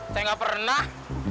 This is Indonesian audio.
saya gak pernah